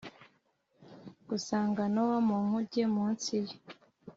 gusanga nowa mu nkuge munsi ye